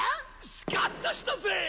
スカッとしたぜ！